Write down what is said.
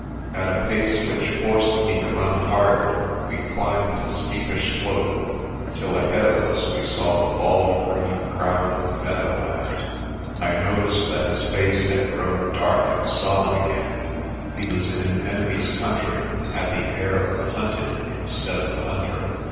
At a pace which forced me to run hard, we climbed a steepish slope till ahead of us we saw the bald green crown of the meadow 206 PRESTER JOHN land. I noticed that his face had grown dark and sullen again. He was in an enemy's country and had the air of the hunted instead of the hunter.